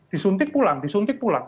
disuntik pulang disuntik pulang